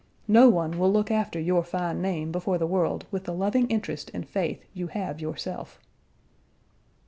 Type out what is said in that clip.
No one will look after your fine name before the world with the loving interest and faith you have yourself.